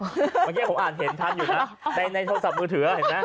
เมื่อกี้ผมอ่านเห็นทันอยู่นะในโทรศัพท์มือถือเห็นไหม